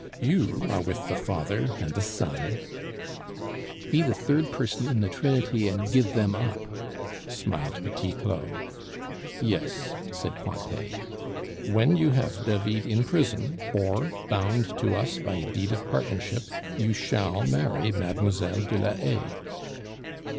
You are with the father and the son " "Be the third person in the trinity and give them up," smiled Petit Claud. "Yes," said Cointet. "When you have David in prison, or bound to us by a deed of partnership, you shall marry Mlle. de la Haye."